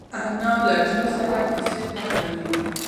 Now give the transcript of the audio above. انا له چای سره کیسې خوښوي